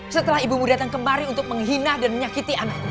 setelah ibumu datang kemari untuk menghina dan menyakiti anaknya